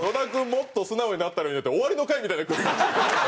もっと素直になったらいいのにって終わりの会みたいな空気に。